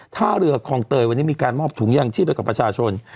ท่าเรือคลองเตยวันนี้มีการมอบถุงยางชีพไปกับประชาชน